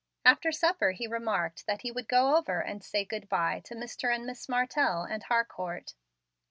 After supper he remarked that he would go over and say good by to Mr. and Miss Martell and Harcourt.